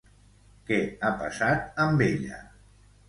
Què ha passat amb ella?